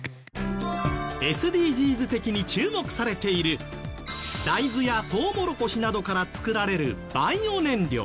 ＳＤＧｓ的に注目されている大豆やトウモロコシなどから作られるバイオ燃料。